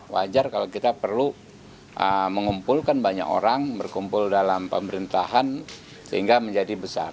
wajar kalau kita perlu mengumpulkan banyak orang berkumpul dalam pemerintahan sehingga menjadi besar